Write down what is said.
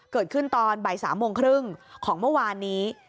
เกิดขึ้นตอนใบ๓โมงครึ่งของเมื่อวานนี้